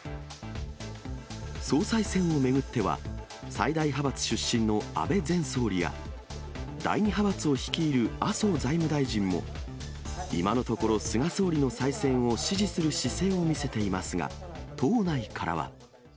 総裁選を巡っては、最大派閥出身の安倍前総理や、第２派閥を率いる麻生財務大臣も、今のところ、菅総理の再選を支持する姿勢を見せていますが、党内からは。